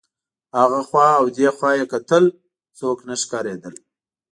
هخوا او دېخوا یې وکتل څوک نه ښکارېدل.